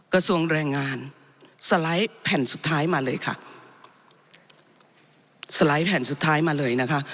กระทรวงแรงงานสไลด์แผ่นสุดท้ายมาเลยค่ะสไลด์แผ่นสุดท้ายมาเลยนะคะ